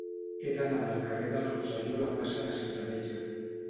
He d'anar del carrer del Rosselló a la plaça de Ciutadella.